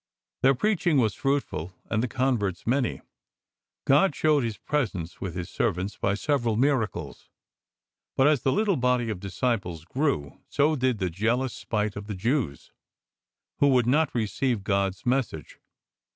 Their preaching was fruitful, and the converts manjr. God showed His presence with His servants by several miracles; but as the little body of disciples grew, so did the jealous spite of the Jews who would not receive God's message.